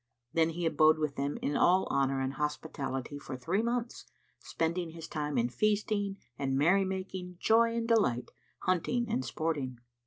Then he abode with them in all honour and hospitality, for three months, spending his time in feasting and merrymaking, joy and delight, hunting and sporting.